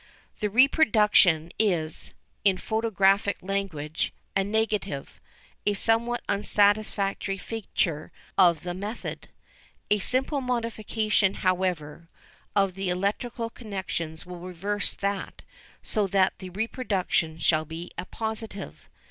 The reproduction is, in photographic language, a negative, a somewhat unsatisfactory feature of the method. A simple modification, however, of the electrical connections will reverse that, so that the reproduction shall be a positive.